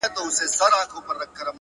پوهه له تجربو رنګ اخلي.